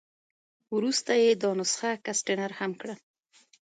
وروسته یې دا نسخه ګسټتنر هم کړه.